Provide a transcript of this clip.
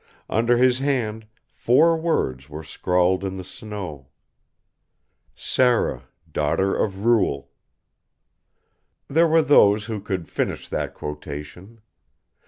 Under his hand four words were scrawled in the snow: "_Sara daughter of Ruel _" There were those who could finish that quotation.